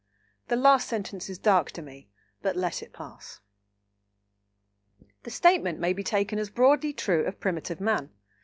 (The last sentence is dark to me, but let it pass.) The statement may be taken as broadly true of primitive man.